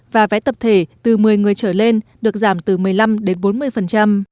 và vé tập thể từ một mươi người trở lên được giảm từ một mươi năm đến bốn mươi